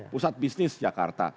pusat bisnis jakarta